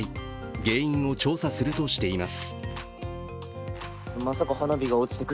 原因を調査するとしています。